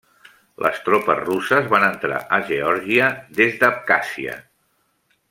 Les tropes russes van entrar a Geòrgia des d'Abkhàzia.